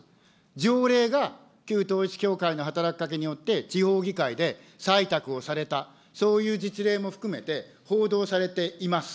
条例が旧統一教会の働きかけによって、地方議会で採択をされた、そういう実例も含めて、報道されています。